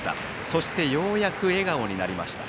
そしてようやく笑顔になりました。